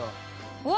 うわ！